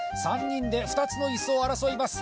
３人で２つのイスを争います